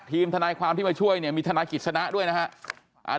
ทีมทนายความที่มาช่วยเนี่ยมีทนายกิจสนะด้วยนะครับ